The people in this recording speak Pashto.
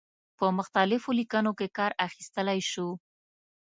په مختلفو لیکنو کې کار اخیستلای شو.